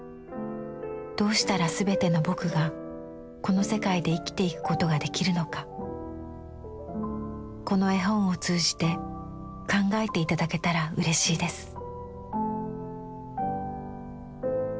どうしたらすべての『ぼく』がこの世界で生きていくことができるのかこの絵本をつうじて考えていただけたらうれしいです」。